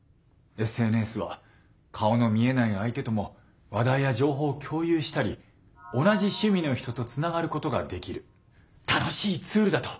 ＳＮＳは顔の見えない相手とも話題や情報を共有したり同じ趣味の人とつながることができる楽しいツールだと私も思います。